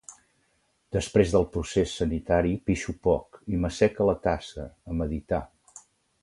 Després del procés sanitari pixo poc i m'assec a la tassa, a meditar.